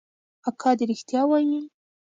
اکا دې ريښتيا وايي.